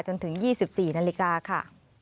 จนถึงยี่สิบสี่นาฬิกาค่ะ